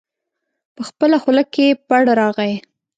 په خپله خوله کې پړ راغی.